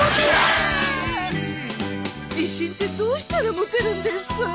自信ってどうしたら持てるんですか？